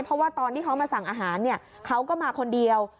เพราะว่าตอนที่เขามาสั่งอาหารเขาก็มาคนเดียว